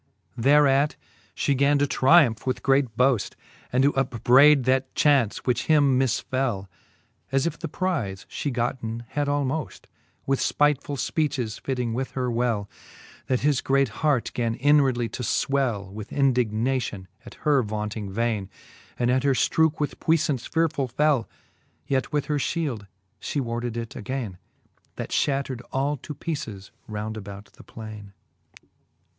X. Thereat (he gan to triumph with great boaft, And to upbrayd that? chaunce, which him misfell. As if the prize fhe gotten had almoft. With fpightfull fpeacheSj fitting with her well ; That his great hart gan inwardly to fwell With indignation, at her vaunting vaine, And at her ftrooke with puifTance fearefull fell j Yet with her fhield fhe warded it againe, That fhattered all to peeces round about the plaine, XI.